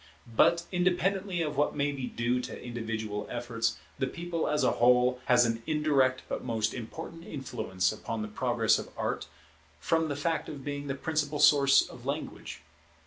But independently of what may be due to individual efforts, the People as a whole has an indirect but most important influence upon the Progress of Art, from the fact of being the principal source of language.